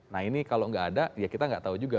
nah ini kalau nggak ada ya kita nggak tahu juga